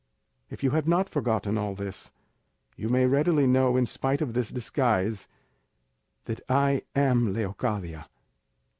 If you have not forgotten all this, you may readily know, in spite of this disguise, that I am Leocadia.